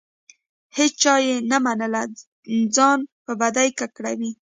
هیچا یې نه منله؛ ځان په بدۍ ککړوي.